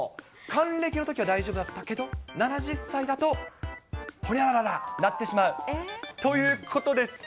還暦のときは大丈夫だったけども、７０歳だとほにゃらら鳴ってしまうということです。